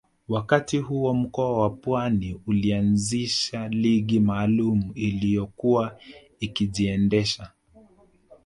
Wakati huo mkoa wa Pwani ulianzisha ligi maalumu iliyokuwa ikijiendesha